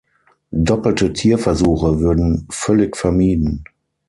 Doppelte Tierversuche würden völlig vermieden.